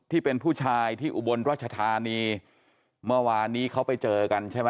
ที่เป็นผู้ชายที่อุบลรัชธานีเมื่อวานนี้เขาไปเจอกันใช่ไหม